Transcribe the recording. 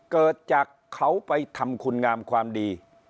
เกิดจากเขาไปทำคุณงามความดี